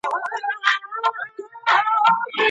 که د ښار نقشه په انټرنیټ کي وي، نو سیلانیان نه ورک کیږي.